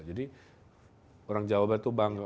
jadi orang jawa itu bangga